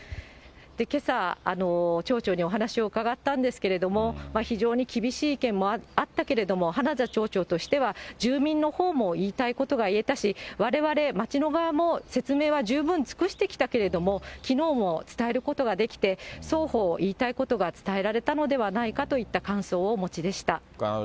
けさ、町長にお話を伺ったんですけれども、非常に厳しい意見もあったけれども、花田町長としては、住民のほうも言いたいことが言えたし、われわれ町の側も、説明は十分尽くしてきたけれども、きのうも伝えることができて、双方、言いたいことが伝えられたのではないかといった感想をお持ちでした。